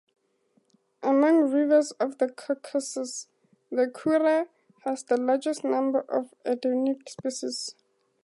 Among rivers of the Caucasus, the Kura has the largest number of endemic species.